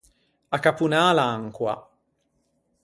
Accapponâ l’ancoa.